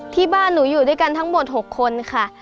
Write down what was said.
ที่บ้านหนูอยู่ด้วยกันทั้งหมด๖คนค่ะ